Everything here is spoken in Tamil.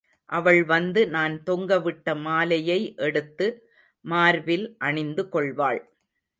அவள் வந்து நான் தொங்கவிட்ட மாலையை எடுத்து மார்பில் அணிந்து கொள்வாள்.